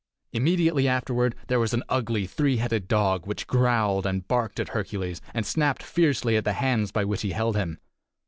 Immediately afterward there was an ugly three headed dog, which growled and barked at Hercules, and snapped fiercely at the hands by which he held him!